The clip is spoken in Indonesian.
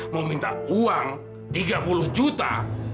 mau minta uang tiga puluh juta